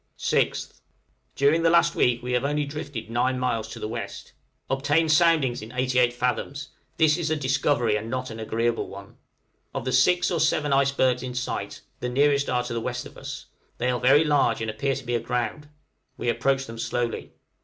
6th. During the last week we have only drifted 9 miles to the west. Obtained soundings in 88 fathoms; this is a discovery, and not an agreeable one. Of the six or seven icebergs in sight, the nearest are to the west of us; they are very large, and appear to be aground; we approach them slowly.